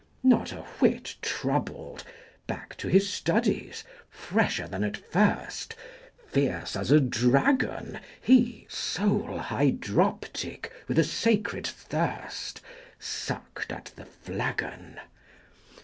Not a whit troubled, Back to his studies, fresher than at first, Fierce as a dragon He (soul hydroptic with a sacred thirst) 95 Sucked at the flagon.